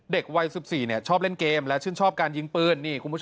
เด็กวัย๑๔ชอบเล่นเกมและชื่นชอบการยิงปืน